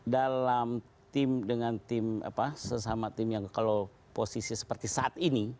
dalam tim dengan tim sesama tim yang kalau posisi seperti saat ini